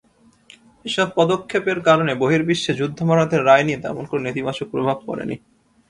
এসব পদক্ষেপের কারণে বহির্বিশ্বে যুদ্ধাপরাধের রায় নিয়ে তেমন কোনো নেতিবাচক প্রভাব পড়েনি।